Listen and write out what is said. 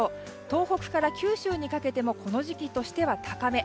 東北から九州にかけてもこの時期にしては高め。